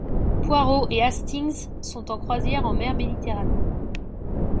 Poirot et Hastings sont en croisière en Mer Méditerranée.